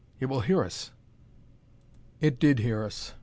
It will hear us." It did hear us.